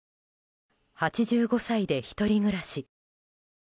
８５歳で１人暮らし。